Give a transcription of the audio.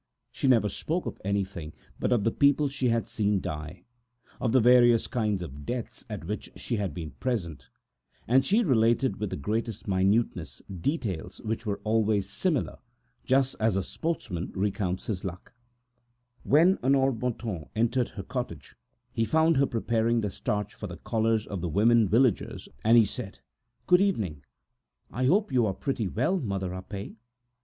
She never spoke of anything but of the people she had seen die, of the various kinds of deaths at which she had been present, and she related, with the greatest minuteness, details which were always the same, just like a sportsman talks of his shots. When Honore Bontemps entered her cottage, he found her preparing the starch for the collars of the village women, and he said: "Good evening; I hope you are pretty well, Mother Rapet."